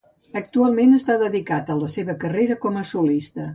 Actualment està dedicat a la seva carrera com a solista.